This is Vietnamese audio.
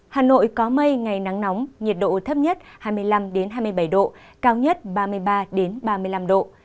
hà nội có mây ngày nắng nóng nhiệt độ thấp nhất hai mươi năm hai mươi bảy độ cao nhất ba mươi ba ba mươi năm độ